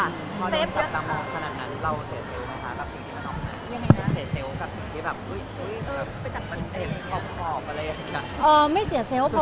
พอโดนจับตามมองขนาดนั้นเราเสียเซลล์ไหมคะ